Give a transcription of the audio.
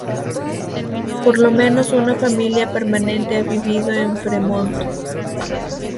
Por lo menos una familia permanente ha vivido en Fremont.